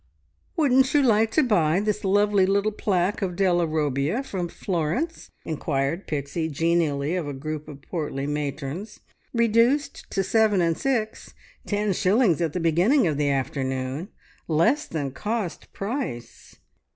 "Wouldn't you like to buy this lovely little plaque of Della Robbia, from Florence?" inquired Pixie genially of a group of portly matrons. "Reduced to seven and six. Ten shillings at the beginning of the afternoon. Less than cost price!"